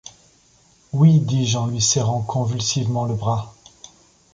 Oui, dis-je en lui serrant convulsivement le bras.